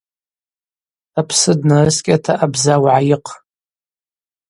Апсы днарыскӏьата абза угӏайыхъ.